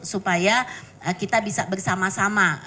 supaya kita bisa bersama sama